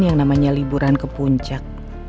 yang namanya liburan ke puncak